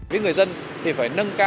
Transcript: với người dân thì phải nâng cao